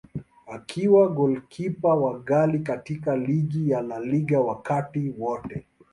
Akiwa golikipa wa ghali katika ligi ya La Liga wakati wote.